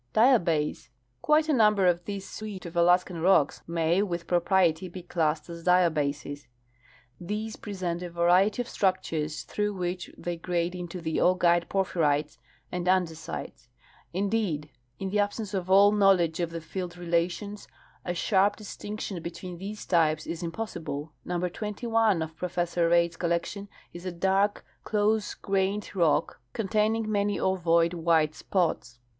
Diabase. Quite a number of this suite of Alaskan rocks may with pro priety be classed as diabases. These present a variety of structures through which they grade into the augite porphyrites and ande sites. Indeed, in the absence of all knowledge of the field rela tions, a sharp distinction between tliese types is impossible. Number 21 of Professor Reid's collection is a dark close grained rock containing many ovoid white spots.